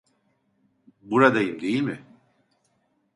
Buradayım, değil mi?